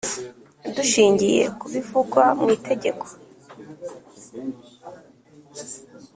Dushingiye ku bivugwa mu Itegeko.